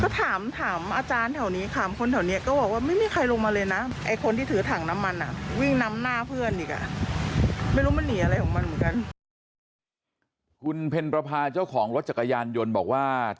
ก็ถามถามอาจารย์แถวนี้ถามคนแถวนี้ก็บอกว่าไม่มีใครลงมาเลยน่ะ